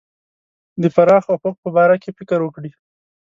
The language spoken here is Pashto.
د پراخ افق په باره کې فکر وکړي.